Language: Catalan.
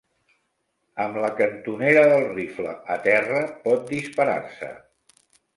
Amb la cantonera del rifle a terra pot disparar-se.